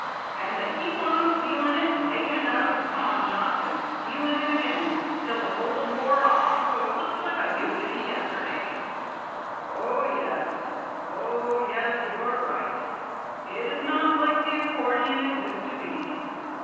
And they kept on stealing it and taking it out of the pawnshop and stealing it again till the gold wore off so it looks like a used to be yesterday." "Oh, yes, o h, y e s, you are right. It is not like the accordion it used to be.